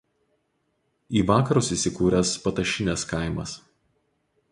Į vakarus įsikūręs Patašinės kaimas.